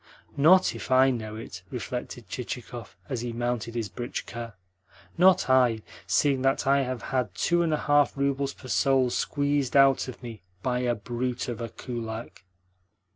"Not if I know it!" reflected Chichikov as he mounted his britchka. "Not I, seeing that I have had two and a half roubles per soul squeezed out of me by a brute of a kulak!"